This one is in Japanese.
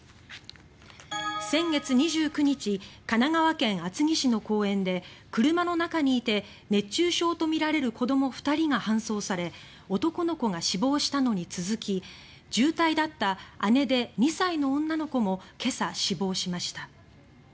先月２９日神奈川県厚木市の公園で車の中にいて熱中症とみられる子ども２人が搬送され男の子が死亡したのに続き重体だった、姉で２歳の女の子も今朝、死亡しました。